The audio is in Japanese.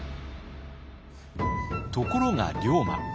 ところが龍馬。